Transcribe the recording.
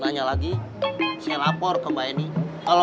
iya sudah terima tiap bulu